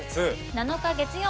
７日月曜。